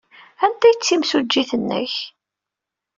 Anta ay d timsujjit-nnek?